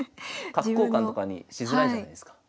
角交換とかにしづらいじゃないですか。